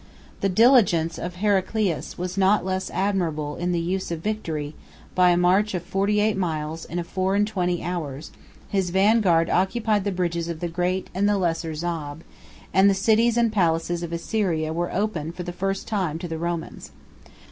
The diligence of Heraclius was not less admirable in the use of victory; by a march of forty eight miles in four and twenty hours, his vanguard occupied the bridges of the great and the lesser Zab; and the cities and palaces of Assyria were open for the first time to the Romans.